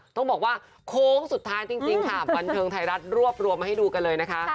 ต้องบอกว่าโค้งสุดท้ายจริงค่ะบันเทิงไทยรัฐรวบรวมมาให้ดูกันเลยนะคะ